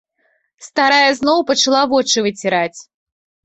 Старая зноў пачала вочы выціраць.